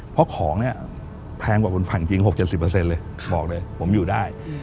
เพราะของเนี่ยแพงกว่าบนฝั่งจริง๖๗๐เลยบอกเลยผมอยู่ได้